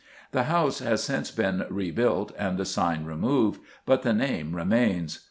The house has since been rebuilt and the sign removed, but the name remains.